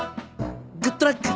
グッドラック！